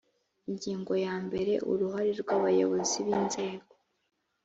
ingingo ya mbere uruhare rw abayobozi b inzego